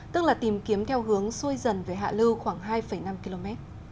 tức là tìm kiếm theo hướng xuôi dần về hạ lưu khoảng hai năm km